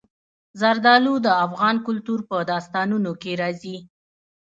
زردالو د افغان کلتور په داستانونو کې راځي.